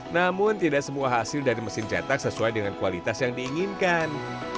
namun tidak semua hasil dari mesin cetak sesuai dengan kualitas yang diinginkan